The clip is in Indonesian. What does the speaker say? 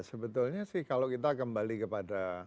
sebetulnya sih kalau kita kembali kepada